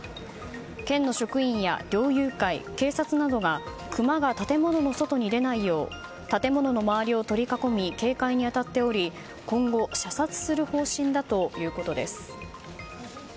県の職員や猟友会、警察などがクマが建物の外に出ないよう建物の周りを取り囲み警戒に当たっており今後、射殺する方針だということです。